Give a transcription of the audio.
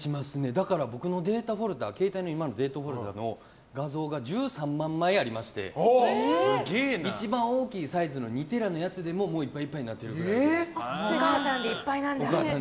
だから僕の今の携帯のデータフォルダの画像が１３万枚ありまして一番大きいサイズの２テラのやつでももういっぱいいっぱいにお母さんでいっぱいなんだ。